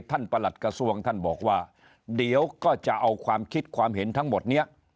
ประหลัดกระทรวงท่านบอกว่าเดี๋ยวก็จะเอาความคิดความเห็นทั้งหมดนี้